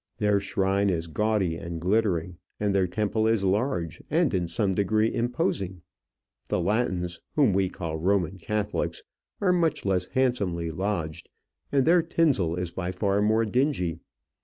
Their shrine is gaudy and glittering, and their temple is large and in some degree imposing. The Latins, whom we call Roman Catholics, are much less handsomely lodged, and their tinsel is by far more dingy.